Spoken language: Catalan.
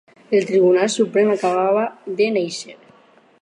El Tribunal Suprem acabava de néixer.